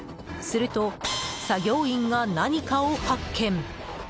すると、作業員が何かを発見。